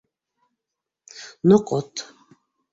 Ноҡот...